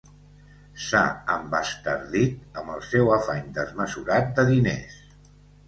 S'ha embastardit amb el seu afany desmesurat de diners.